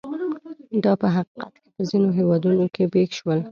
دا په حقیقت کې په ځینو هېوادونو کې پېښ شول.